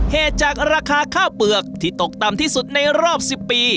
เหตุจากราคาข้าวเปลือกที่ตกต่ำที่สุดในรอบ๑๐ปี